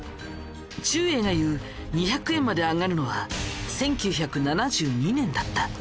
ちゅうえいが言う２００円まで上がるのは１９７２年だった。